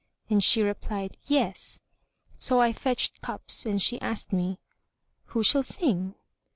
and she replied, "Yes." So I fetched cups and she asked me, "Who shall sing?"